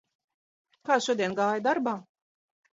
Kā šodien gāja darbā?